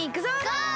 ゴー！